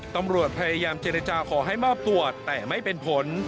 ตำรวจพยายามเจรจาขอให้มอบตัวแต่ไม่เป็นผล